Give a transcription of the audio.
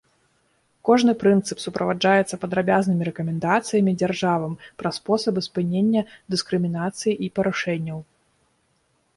Кожны прынцып суправаджаецца падрабязнымі рэкамендацыямі дзяржавам пра спосабы спынення дыскрымінацыі і парушэнняў.